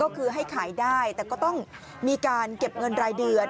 ก็คือให้ขายได้แต่ก็ต้องมีการเก็บเงินรายเดือน